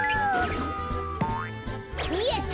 やった！